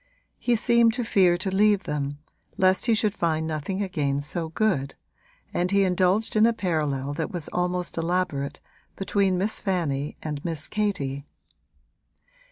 He seemed to fear to leave them, lest he should find nothing again so good, and he indulged in a parallel that was almost elaborate between Miss Fanny and Miss Katie.